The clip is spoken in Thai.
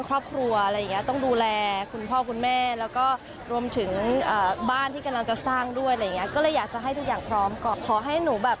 กะไปฟังเลยค่ะ